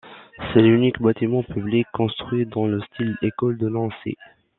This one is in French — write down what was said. C'est l'unique bâtiment public construit dans le style École de Nancy.